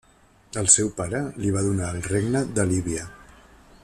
El seu pare li va donar el regne de Líbia.